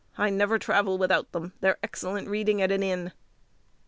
I never travel without them; they're excellent reading at an inn."